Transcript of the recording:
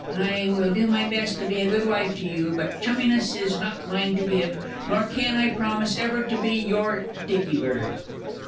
I will do my best to be a good wife to you but chumminess is not mine to give, nor can I promise ever to be your dicky bird.